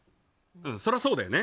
そりゃそうだよね。